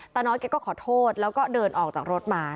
น้อยแกก็ขอโทษแล้วก็เดินออกจากรถมา